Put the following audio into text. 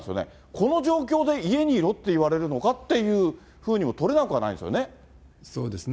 この状況で家にいろって言われるのかっていうふうにも取れなくはそうですね。